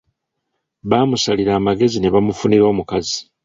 Baamusalira amagezi ne bamufunira omukazi